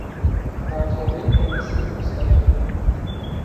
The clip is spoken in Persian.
پرتابهای با مسیر مستقیم